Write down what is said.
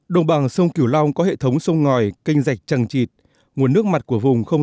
đồng bằng sông cửu long có hệ thống sông ngòi kênh dạch trăng trịt nguồn nước mặt của vùng không